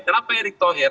kenapa erik thohir